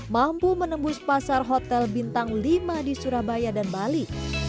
mampu menembus pasar hotel bintang lima di surabaya dan bali